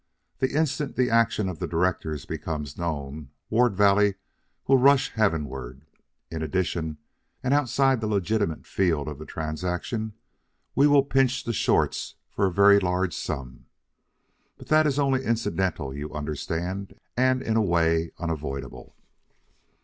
The instant the action of the directors becomes known, Ward Valley will rush heavenward. In addition, and outside the legitimate field of the transaction, we will pinch the shorts for a very large sum. But that is only incidental, you understand, and in a way, unavoidable.